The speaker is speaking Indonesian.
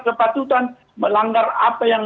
kepatutan melanggar apa yang